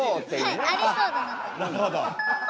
はいありそうだなと。